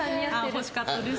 欲しかったです